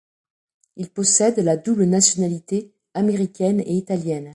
Il possède la double nationalité américaine et Italienne.